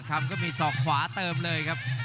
กรุงฝาพัดจินด้า